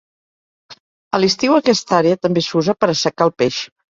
A l'estiu, aquesta àrea també s'usa per assecar el peix.